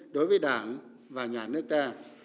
đối với đảng và nhà nước ta